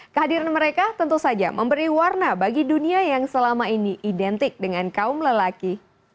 kehadiran mereka tentu saja memberi warna bagi dunia yang selama ini identik dengan kaum lelaki